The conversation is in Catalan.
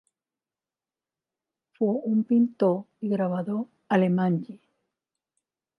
Fou un pintor i gravador alemany.